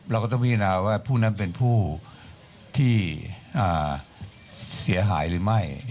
เราก็ต้องพิจารณาว่าผู้นั้นเป็นผู้ที่เสียหายหรือไม่